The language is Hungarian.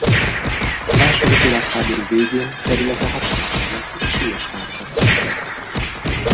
A második világháború végén területe hadszíntér lett és súlyos károkat szenvedett.